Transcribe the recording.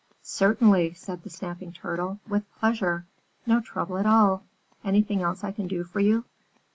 "Certainly," said the Snapping Turtle. "With pleasure! No trouble at all! Anything else I can do for you?"